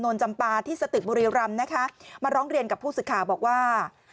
จำปาที่สตึกบุรีรำนะคะมาร้องเรียนกับผู้สื่อข่าวบอกว่า